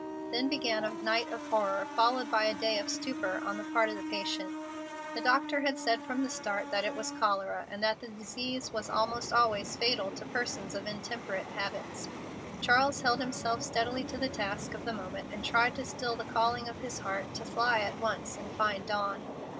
Then began a night of horror, followed by a day of stupor on the part of the patient. The doctor had said from the start that it was cholera, and that the disease was almost always fatal to persons of intemperate habits. Charles held himself steadily to the task of the moment, and tried to still the calling of his heart to fly at once and find Dawn.